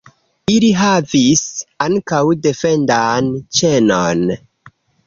Ili havis ankaŭ defendan ĉenon.